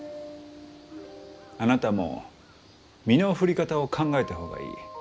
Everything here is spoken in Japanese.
あなたも身の振り方を考えた方がいい。